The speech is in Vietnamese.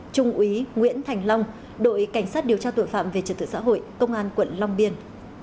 trung úy nguyễn thành long đội cảnh sát điều tra tội phạm về trật tự xã hội công an quận long biên